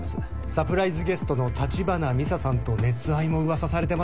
サプライズゲストの橘美沙さんと熱愛も噂されてますが。